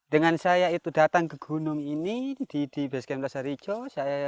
dengan saya itu datang ke gunung ini di base camp losarijo